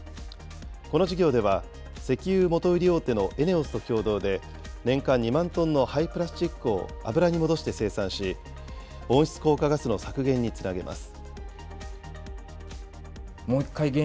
この事業では、石油元売り大手のＥＮＥＯＳと共同で、年間２万トンの廃プラスチックを油に戻して生産し、温室効果ガスの削減につなげます。